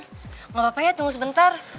tidak apa apa ya tunggu sebentar